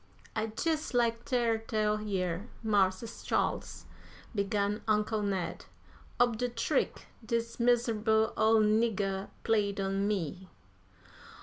"I'd jes' like ter tell yer, Mars' Charles," began Uncle Ned, "ob de trick dis miser'ble ole nigger played on me."